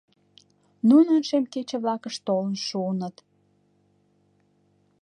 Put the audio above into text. Нунын шем кече-влакышт толын шуыныт.